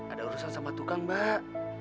ada urusan sama tukang mbak